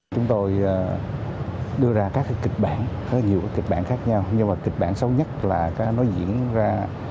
chúng tôi đưa ra các kịch bản có nhiều kịch bản khác nhau nhưng mà kịch bản xấu nhất là nó diễn ra